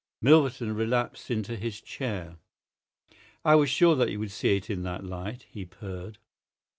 Milverton relapsed into his chair. "I was sure that you would see it in that light," he purred.